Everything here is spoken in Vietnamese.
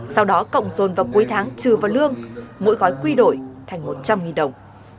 sau đó cộng dồn vào cuối tháng trừ vào lương mỗi gói quy đổi thành một trăm linh đồng